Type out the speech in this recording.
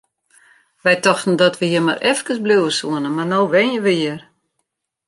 Wy tochten dat we hjir mar efkes bliuwe soene, mar no wenje we hjir!